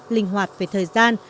linh hoạt về thời gian